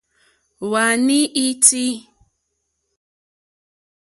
Wàní é tíí.